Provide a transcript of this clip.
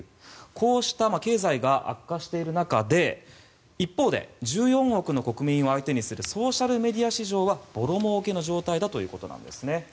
こうした経済が悪化している中で一方で１４億の国民を相手にするソーシャルメディア市場はぼろもうけの状態だということなんですね。